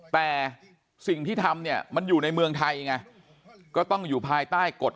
แต่สิ่งที่ทำเนี่ยมันอยู่ในเมืองไทยไงก็ต้องอยู่ภายใต้กฎ